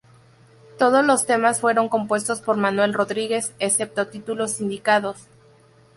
Todos los temas fueron compuestos por Manuel Rodríguez, excepto títulos indicados.